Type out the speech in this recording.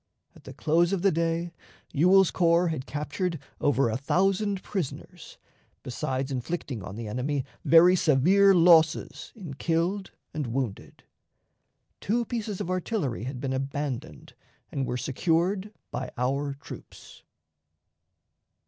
At the close of the day, Ewell's corps had captured over a thousand prisoners, besides inflicting on the enemy very severe losses in killed and wounded. Two pieces of artillery had been abandoned and were secured by our troops.